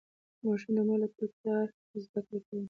ماشوم د مور له تکرار زده کړه کوي.